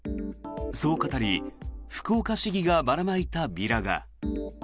そう語り福岡市議がばらまいたビラが。